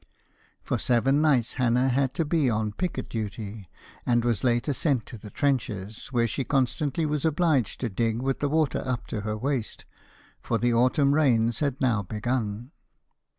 For seven nights Hannah had to be on picket duty, and was later sent to the trenches, where she constantly was obliged to dig with the water up to her waist, for the autumn rains had now begun.